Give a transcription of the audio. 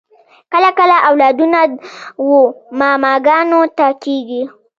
کله کله اولادونه و ماماګانو ته کیږي